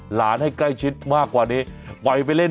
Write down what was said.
หลานให้ใกล้ชิดมากกว่านี้ไปไปเล่น